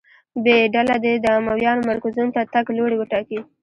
ب ډله دې د امویانو مرکزونو ته تګ لوری وټاکي.